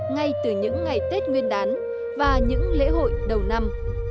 ngay từ những ngày tết nguyên đán và những lễ hội đầu năm